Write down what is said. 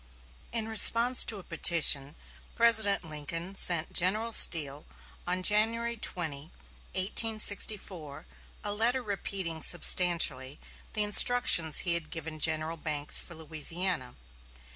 In response to a petition, President Lincoln sent General Steele on January 20, 1864, a letter repeating substantially the instructions he had given General Banks for Louisiana.